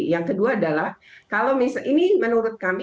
yang kedua adalah kalau ini menurut kami